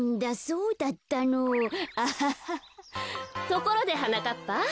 ところではなかっぱ。